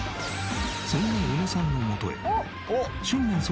そんな小野さんのもとへ新年